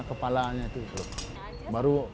itu baru layangannya saja untuk janggan